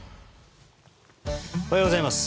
おはようございます。